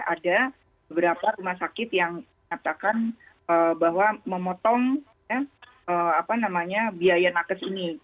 ada beberapa rumah sakit yang mengatakan bahwa memotong biaya nakes ini